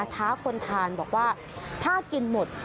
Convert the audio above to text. ท้าคนทานบอกว่าถ้ากินหมด